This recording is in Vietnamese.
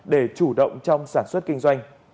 để chủ động trong sản xuất kinh doanh